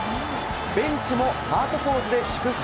ベンチもハートポーズで祝福。